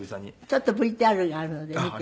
ちょっとＶＴＲがあるので見て頂きます。